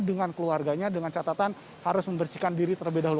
dengan keluarganya dengan catatan harus membersihkan diri terlebih dahulu